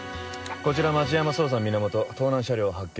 こちら町山捜査源盗難車両発見。